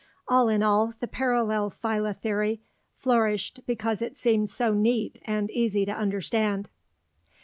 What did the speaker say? All in all, the parallel phyla theory flourished because it seemed so neat and easy to understand.